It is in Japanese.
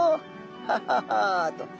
「ハハハ」と。